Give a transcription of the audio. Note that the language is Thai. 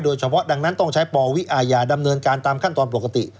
โดยเฉพาะดังนั้นต้องใช้ปวิอาญาดำเนินการตามขั้นตอนปกติ